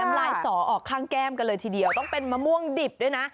ลายสอออกข้างแก้มกันเลยทีเดียวต้องเป็นมะม่วงดิบด้วยนะ